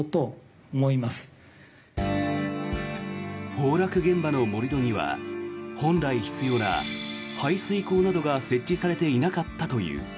崩落現場の盛り土には本来、必要な排水溝などが設置されていなかったという。